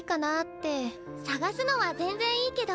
探すのは全然いいけど。